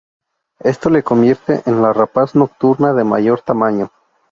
Esto le convierte en la rapaz nocturna de mayor tamaño.